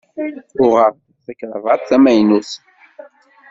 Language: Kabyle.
Uɣeɣ-d takravat tamaynut.